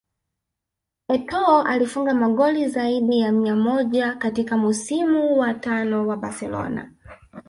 Etoo alifunga magoli zaidi ya mia moja katika msimu wa tano na Barcelona